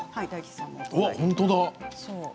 本当だ。